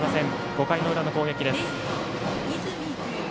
５回の裏の攻撃です。